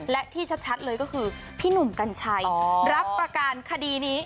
และที่ชัดเลยก็คือพี่หนุ่มกัญชัยรับประการคดีนี้